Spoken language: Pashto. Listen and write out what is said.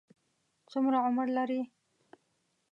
څومره عمر لري؟